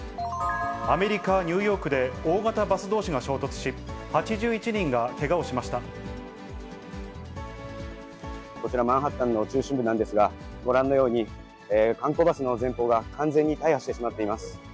アメリカ・ニューヨークで大型バスどうしが衝突し、８１人がけがこちらマンハッタンの中心部なんですが、ご覧のように、観光バスの前方が完全に大破してしまっています。